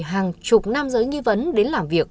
hàng chục nam giới nghi vấn đến làm việc